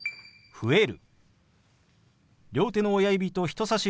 「増える」。